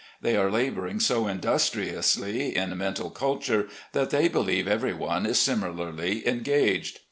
They are labouring so industriously in mental culture that they believe every one is similarly engaged.